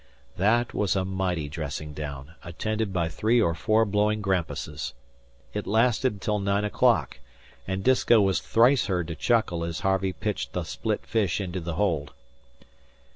That was a mighty dressing down, attended by three or four blowing grampuses. It lasted till nine o'clock, and Disko was thrice heard to chuckle as Harvey pitched the split fish into the hold.